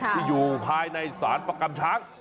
ที่อยู่ภายในสารประกำช้าง